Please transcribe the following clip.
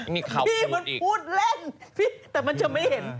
พี่มันพูดเล่นแต่มันจะไม่เห็น